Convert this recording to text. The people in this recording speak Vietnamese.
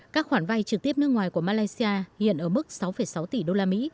các khoản vai trực tiếp nước ngoài của malaysia hiện ở mức sáu sáu tỷ usd